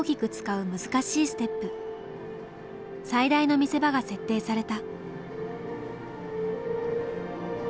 最大の見せ場が設定された。